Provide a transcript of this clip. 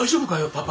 パパ。